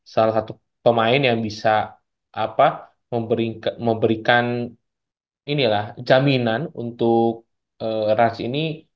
salah satu pemain yang bisa memberikan jaminan untuk ras ini